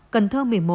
cần thơ một mươi một